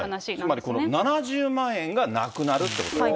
つまりこの７０万円がなくなるってことですね。